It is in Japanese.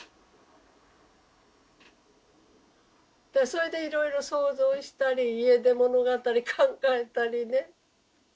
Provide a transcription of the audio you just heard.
それでいろいろ想像したり家出物語考えたりね。